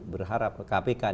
berharap kpk yang paling bagus